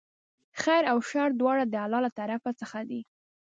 خیر او شر دواړه د الله له طرفه څخه دي.